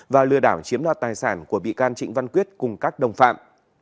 và lừa đảo chiếm đoạt tài sản của bị can trịnh văn quyết cùng các đồng phạm